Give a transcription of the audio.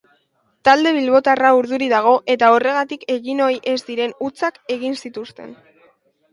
Talde bilbotarra urduri dago eta horregatik egin ohi ez diren hutsak egin zituzten.